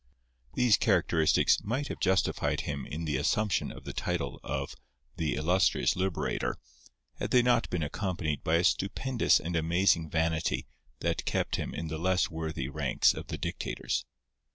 These characteristics might have justified him in the assumption of the title of "The Illustrious Liberator," had they not been accompanied by a stupendous and amazing vanity that kept him in the less worthy ranks of the dictators.